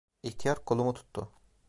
İhtiyar, kolumu tuttu.